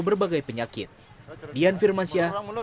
terima kasih ya pak ada bantuan sekarang